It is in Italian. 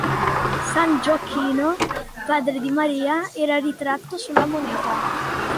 San Gioacchino, padre di Maria, era ritratto sulla moneta.